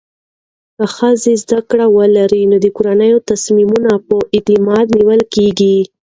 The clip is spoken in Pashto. که ښځه زده کړه ولري، نو د کورنۍ تصمیمونه په اعتماد نیول کېږي.